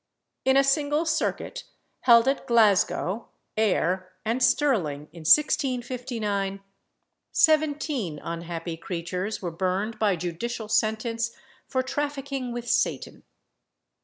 In a single circuit, held at Glasgow, Ayr, and Stirling, in 1659, seventeen unhappy creatures were burned by judicial sentence for trafficking with Satan.